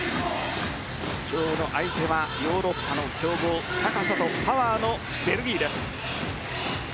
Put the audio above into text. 今日の相手は、ヨーロッパの強豪高さとパワーのベルギーです。